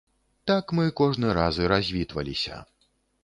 Так мы кожны раз і развітваліся.